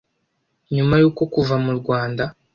nyuma y’uko kuva mu Rwanda